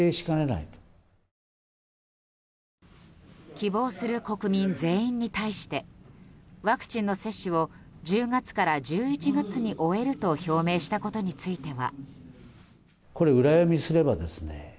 希望する国民全員に対してワクチンの接種を１０月から１１月に終えると表明したことについては。